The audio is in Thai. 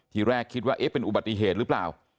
ทีแรกคิดว่าเอ๊ะเป็นอุบัติเหตุหรือเปล่า